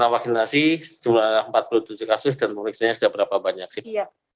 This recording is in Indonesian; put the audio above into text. vaksinasi empat puluh tujuh kasus dan vaksinasi sudah berapa banyak sih